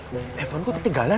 telepon gua ketinggalan